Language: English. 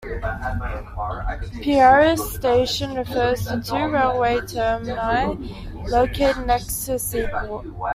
Piraeus station refers to the two railway termini located next to the seaport.